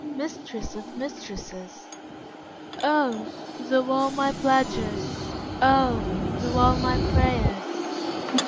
Mistress of Mistresses! Oh, thou all my pleasures, oh, thou all my prayers!